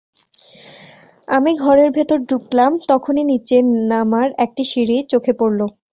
আমি ঘরের ভেতর ঢুকলাম, তখনি নিচে নোমর একটা সিঁড়ি চোখে পড়ল।